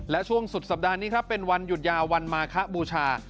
และช่วงสุดสัปดาห์นี้ครับเป็นวันหยุดยาววันมาคะบูชา